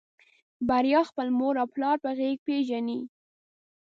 بريا خپل پلار او مور په غږ پېژني.